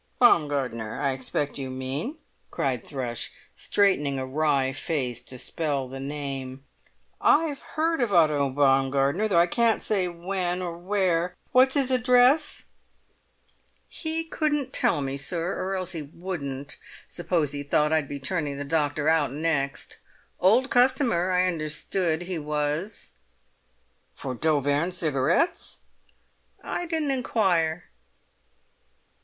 "Baumgartner, I expect you mean!" cried Thrush, straightening a wry face to spell the name. "I've heard of an Otto Baumgartner, though I can't say when or where. What's his address?" "He couldn't tell me, sir; or else he wouldn't. Suppose he thought I'd be turning the doctor out next. Old customer, I understood he was." "For d'Auvergne Cigarettes?" "I didn't inquire."